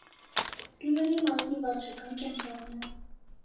Սլիվենի մարզի վարչական կենտրոնն է։